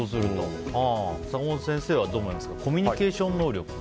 坂本先生はどう思いますかコミュニケーション能力。